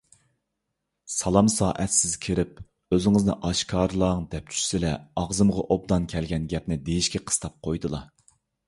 سالام سائەتسىز كىرىپ «ئۆزىڭىزنى ئاشكارىلاڭ» دەپ چۈشسىلە ئاغزىمغا ئوبدان كەلگەن گەپنى دېيىشكە قىستاپ قويىدىلا.